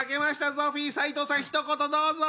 ゾフィーサイトウさんひと言どうぞ！